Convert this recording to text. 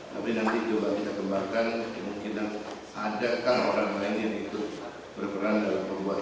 tapi nanti coba kita kembangkan kemungkinan adakah orang lain yang ikut berperan dalam perbuatan